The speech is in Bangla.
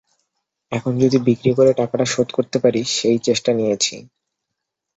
এখন যদি বিক্রি করে টাকাটা শোধ করতে পারি, সেই চেষ্টা নিয়েছি।